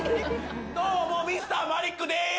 どうもＭｒ．マリックです！